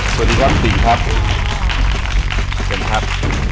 สวัสดีครับคุณติ่งครับ